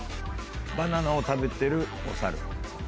バナナを食べてるお猿さん。